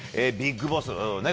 ビッグボス。